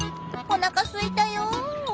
「おなかすいたよ！」